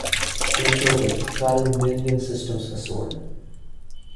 In total, twelve million systems were sold.